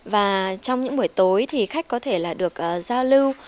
và trong những buổi tối thì khách có thể là được giao lưu